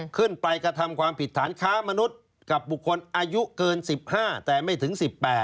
กระทำความผิดฐานค้ามนุษย์กับบุคคลอายุเกิน๑๕แต่ไม่ถึง๑๘